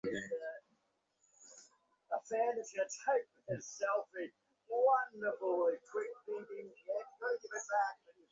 রাগে ক্ষোভে মক্ষীর চোখ দিয়ে জল পড়ে-পড়ে আর-কি।